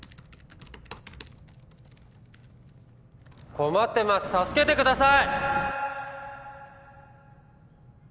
困ってます助けてください！